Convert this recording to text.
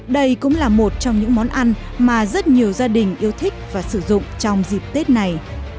đây cũng là một trong những món ăn mà rất nhiều gia đình yêu thích và sử dụng trong dịp tết này